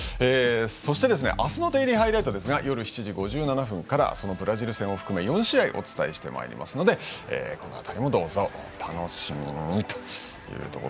そして明日の「デイリーハイライト」ですが夜７時５７分からそのブラジル戦を含め４試合お伝えしてまいりますのでこの辺りもどうぞお楽しみに。